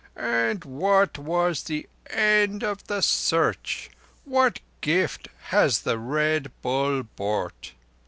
"And what was the end of the Search? What gift has the Red Bull brought?"